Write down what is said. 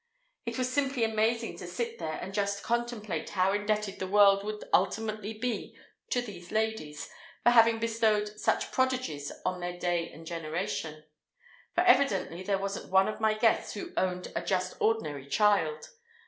It was simply amazing to sit there and just contemplate how indebted the world would ultimately be to these ladies, for having bestowed such prodigies on their day and generation; for evidently there wasn't one of my guests who owned a just ordinary child!